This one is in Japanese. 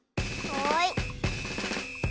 はい。